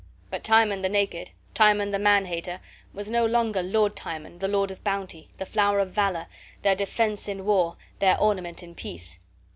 But Timon the naked, Timon the man hater, was no longer Lord Timon, the lord of bounty, the flower of valor, their defense in war, their ornament in peace.